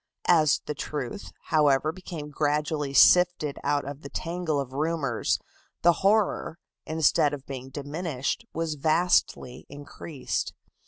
As the truth, however, became gradually sifted out of the tangle of rumors, the horror, instead of being diminished, was vastly increased.